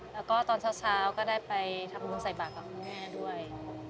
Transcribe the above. แล้วก็ตอนเช้าก็ได้ไปทำบุญใส่บาทกับคุณแม่ด้วย